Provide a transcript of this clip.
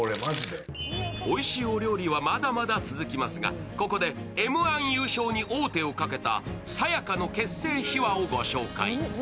おいしいお料理はまだまだ続きますがここでＭ−１優勝に大手をかけたさや香の結成秘話を紹介。